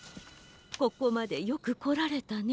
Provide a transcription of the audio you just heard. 「ここまでよくこられたね。